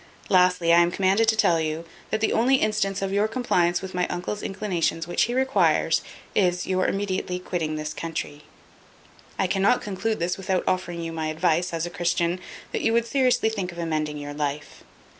Lastly, I am commanded to tell you, that the only instance of your compliance with my uncle's inclinations which he requires, is, your immediately quitting this country. I cannot conclude this without offering you my advice, as a Christian, that you would seriously think of amending your life.